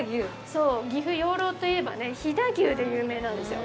そう、岐阜・養老といえば、飛騨牛で有名なんですよ。